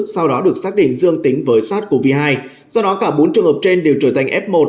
sau đó được xác định dương tính với sars cov hai do đó cả bốn trường hợp trên đều trở thành f một